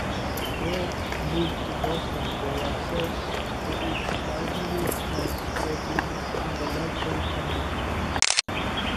Rhodes moved to Boston for access to its libraries and supportive intellectual community.